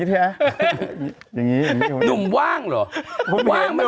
เออเดี๋ยวมันมีรูปชั้นเซวาเบรกสีทุกวันแล้ว